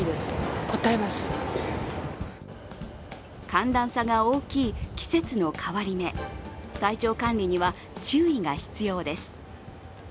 寒暖差が大きい季節の変わり目、体調管理には注意が必要です。